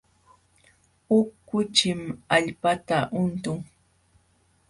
Huk kuchim allpata untun.